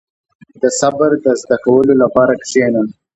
• د صبر د زده کولو لپاره کښېنه.